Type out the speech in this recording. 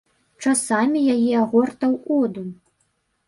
Часамі яе агортаў одум.